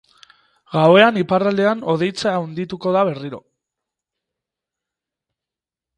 Gauean iparraldean hodeitza handituko da berriro.